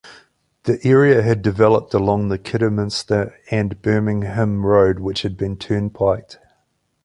The area had developed along the Kidderminster and Birmingham Road, which had been turnpiked.